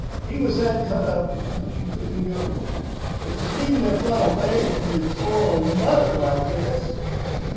He was that cut up because you couldn't go, but he needn't have run away from his poor old mother like this.